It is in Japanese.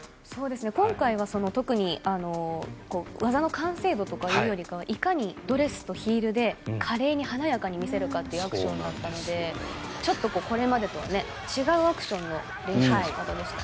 今回は特に技の完成度というよりかはいかにドレスとヒールで華麗に華やかに見せるかというアクションだったのでちょっとこれまでとは違うアクションの練習の仕方でした。